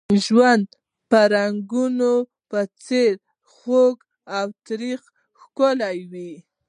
د ژوند په رنګونو، څېرو او خوږو او ترخو کې ښکلا وه.